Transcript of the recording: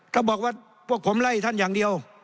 ถ้าบอกว่าพวกผมไล่ท่านอย่างเดียว